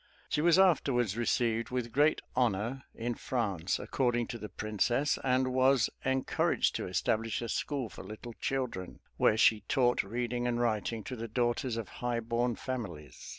She was afterwards received with great honor in France, according to the princess, and was encouraged to establish a school for little children, where she taught reading and writing to the daughters of high born families.